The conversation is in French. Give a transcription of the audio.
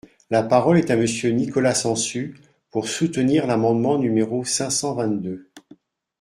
La parole est à Monsieur Nicolas Sansu, pour soutenir l’amendement numéro cinq cent vingt-deux.